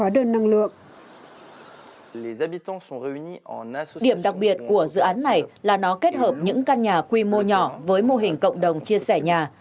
điểm đặc biệt của dự án này là nó kết hợp những căn nhà quy mô nhỏ với mô hình cộng đồng chia sẻ nhà